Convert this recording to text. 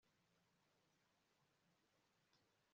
rekeraho gushakisha ibicuruzwa bitangaje